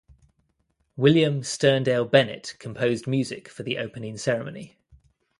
William Sterndale Bennett composed music for the opening ceremony.